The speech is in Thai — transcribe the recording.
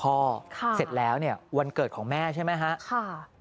ค่ะสำเร็จแล้ววันเกิดของแม่ใช่ไหมฮะค่ะ